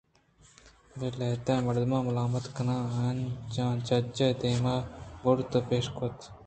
بلے لہتیں مردماں ملامت کنان ءَ آ جّج ءِ دیما بُرت ءُ پیش کُت